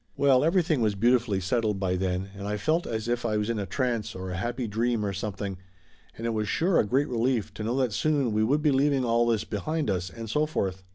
Well, everything was beautifully settled by then and I felt as if I was in a trance or a happy dream or some thing, and it was sure a great relief to know that soon we would be leaving all this behind us and so forth.